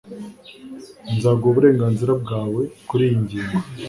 Nzaguha uburenganzira bwawe kuriyi ngingo